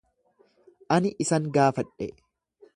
Ani isaan gaafadhe.